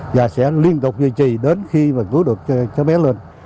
và sẽ liên tục duy trì đến khi cứu được bé lên